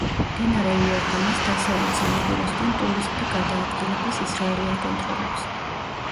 მდინარე იორდანეს დასავლეთ სანაპიროსკენ ტურისტთა გადაადგილებას ისრაელი აკონტროლებს.